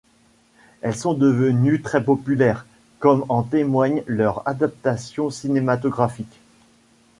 Elles sont devenues très populaires, comme en témoignent leurs adaptations cinématographiques.